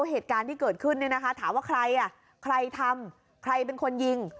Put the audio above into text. เหตุการณ์ที่เกิดขึ้นเนี่ยนะคะถามว่าใครอ่ะใครใครทำใครเป็นคนยิง